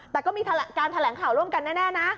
แต่ก็มีการแถลงข่าวร่วมกันแน่นะ